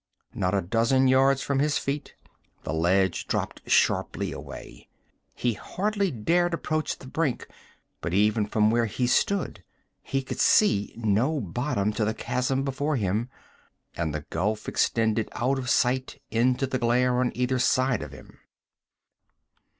Not a dozen yards from his feet, the ledge dropped sharply away; he hardly dared approach the brink, but even from where he stood he could see no bottom to the chasm before him. And the gulf extended out of sight into the glare on either side of him.